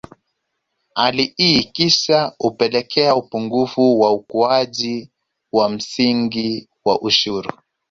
Hali hii kisha hupelekea upungufu wa ukuaji wa msingi wa ushuru